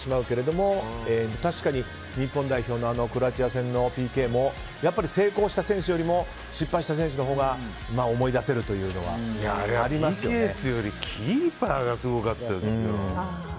確かに日本代表のクロアチア戦のＰＫも成功した選手よりも失敗した選手のほうがあれはＰＫというより向こうのキーパーがすごかったですよ。